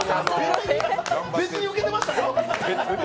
別にウケてましたよ？